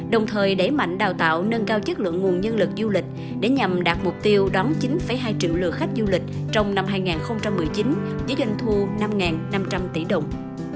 đồng thời đẩy mạnh đào tạo nâng cao chất lượng nguồn nhân lực du lịch để nhằm đạt mục tiêu đón chín hai triệu lượt khách du lịch trong năm hai nghìn một mươi chín với doanh thu năm năm trăm linh tỷ đồng